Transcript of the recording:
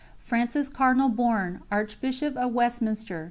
FRANCIS CARDINAL BOURNE, Archbishop of Westminster.